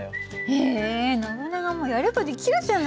へえノブナガもやればできるじゃない。